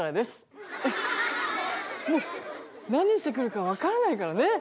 もう何してくるか分からないからね。